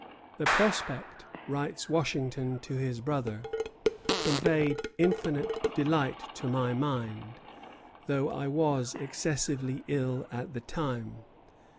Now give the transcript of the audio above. "The prospect," writes Washington to his brother, "conveyed infinite delight to my mind, though I was excessively ill at the time.